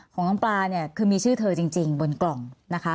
ของน้องปลาเนี่ยคือมีชื่อเธอจริงบนกล่องนะคะ